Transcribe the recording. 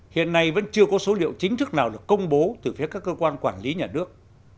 hiện nay vẫn chưa có số liệu chính thức nào được công bố từ phía các cơ quan quản lý nhà nước